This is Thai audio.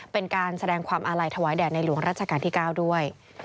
เป็นการแสดงความอาลัยถวายแด่ในหลวงรัชกาลที่๙ด้วย